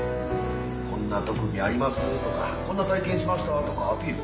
こんな特技ありますとかこんな体験しましたとかアピール